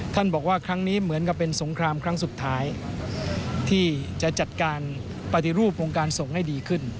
บอกว่าครั้งนี้เหมือนกับเป็นสงครามครั้งสุดท้ายที่จะจัดการปฏิรูปวงการส่งให้ดีขึ้น